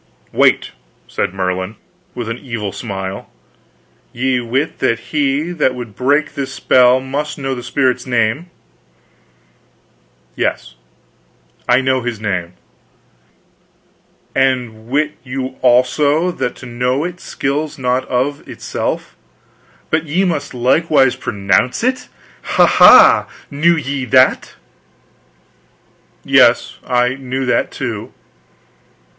"Wait," said Merlin, with an evil smile. "Ye wit that he that would break this spell must know that spirit's name?" "Yes, I know his name." "And wit you also that to know it skills not of itself, but ye must likewise pronounce it? Ha ha! Knew ye that?" "Yes, I knew that, too."